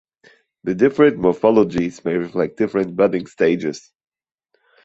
The different morphologies may reflect different budding stages.